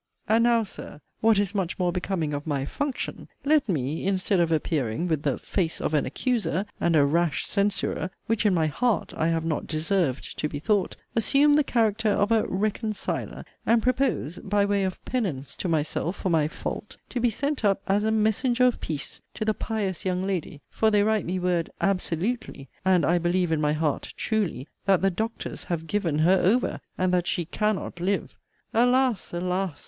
And now, Sir, (what is much more becoming of my 'function,') let me, instead of appearing with the 'face of an accuser,' and a 'rash censurer,' (which in my 'heart' I have not 'deserved' to be thought,) assume the character of a 'reconciler'; and propose (by way of 'penance' to myself for my 'fault') to be sent up as a 'messenger of peace' to the 'pious young lady'; for they write me word 'absolutely' (and, I believe in my heart, 'truly') that the 'doctors' have 'given her over,' and that she 'cannot live.' Alas! alas!